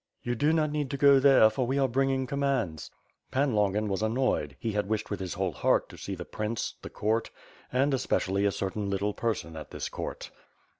"You do not need to go there, for we are bringing com mands." Pan Longin was annoyed; he had wished with whole heart to see the prince, the court, and especially a certain little per son at this court.